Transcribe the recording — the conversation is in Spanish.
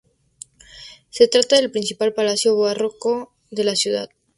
Se trata del principal palacio barroco de la ciudad.